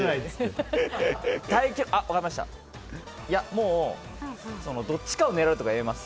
もう、どっちかを狙うとかはやめます。